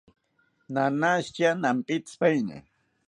Nanashita nampitzipaeni